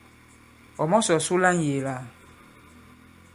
Ɔ̀ mɔ̀sɔ̀ su la ŋ̀yēē lā ?